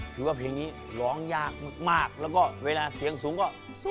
ถือว่าเพลงนี้ร้องยากมากแล้วก็เวลาเสียงสูงก็